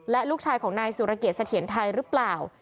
และลูกชายของนายสุรเกียจเสถียรไทยหรือเปล่า